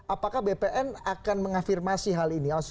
apakah bpn akan mengafirmasi hal ini